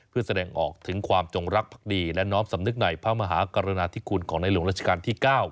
เพื่อแสดงออกถึงความจงรักภักดีและน้อมสำนึกในพระมหากรณาธิคุณของในหลวงราชการที่๙